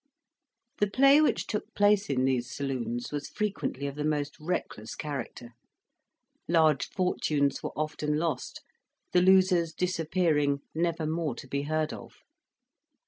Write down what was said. The play which took place in these saloons was frequently of the most reckless character; large fortunes were often lost, the losers disappearing, never more to be heard of.